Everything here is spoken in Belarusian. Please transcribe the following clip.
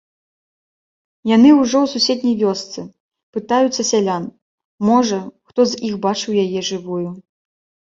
Яны ўжо ў суседняй вёсцы, пытаюцца сялян, можа, хто з іх бачыў яе жывую.